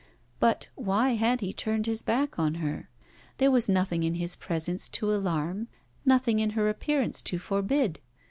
But why had he turned his back on her? There was nothing in his presence to alarm, nothing in her appearance to forbid.